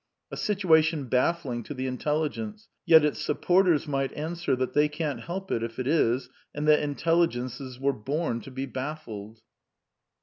A situation baffling to the intelligence ; yet its supporters might answer that they can't help it if it is, and that intelli gences were bom to be baffled.